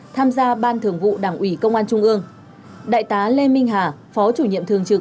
tham gia ban thường vụ đảng ủy công an trung ương đại tá lê minh hà phó chủ nhiệm thường trực